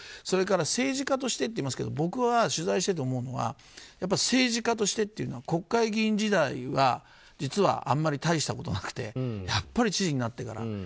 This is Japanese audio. それから、政治家としてといいますけど僕が取材していて思うのは政治家としてというのは国会議員時代は実はあまり大したことなくてやっぱり知事になってから。